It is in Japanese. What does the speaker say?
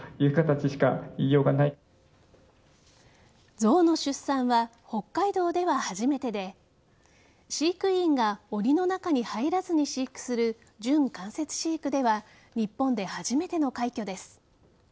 ゾウの出産は北海道では初めてで飼育員がおりの中に入らずに飼育する準間接飼育では日本で初めての快挙です。